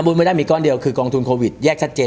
ทำบุญไม่ได้มีก่อนเดียวคือกองทุนโควิดแยกแสดง